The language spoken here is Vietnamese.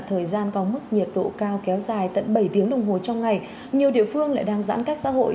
thời gian có mức nhiệt độ cao kéo dài tận bảy tiếng đồng hồ trong ngày nhiều địa phương lại đang giãn cách xã hội